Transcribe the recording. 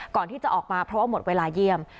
ก่อนที่จะออกมาเพราะว่าหมดเวลาเยี่ยม